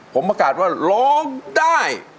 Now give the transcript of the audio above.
ผมประกาศว่าร้องได้